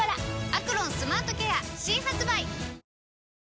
「アクロンスマートケア」新発売！